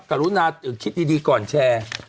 กรุณาคิดดีก่อนแชร์